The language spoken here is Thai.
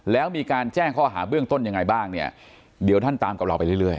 แล้วมีการแจ้งข้อหาเบื้องต้นยังไงบ้างเนี่ยเดี๋ยวท่านตามกับเราไปเรื่อย